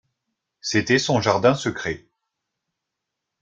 C’était son jardin secret.